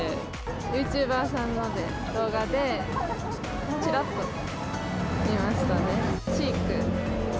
ユーチューバーさんので、動画でちらっと見ましたね。